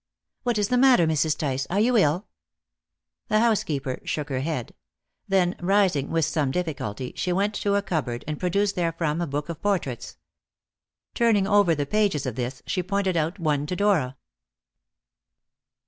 "What is the matter, Mrs. Tice? Are you ill?" The housekeeper shook her head; then, rising with some difficulty, she went to a cupboard, and produced therefrom a book of portraits. Turning over the pages of this, she pointed out one to Dora.